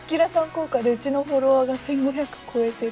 効果でうちのフォロワーが１５００超えてる。